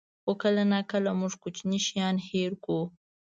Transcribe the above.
خو کله ناکله موږ کوچني شیان هېر کړو.